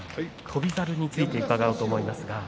翔猿について伺おうと思います。